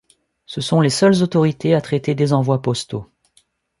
Ce sont les seules autorisés à traiter des envois postaux.